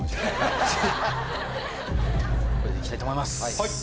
これでいきたいと思います。